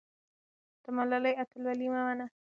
د ملالۍ اتلولي ومنه.